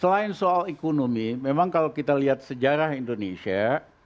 selain soal ekonomi memang kalau kita lihat sejarah indonesia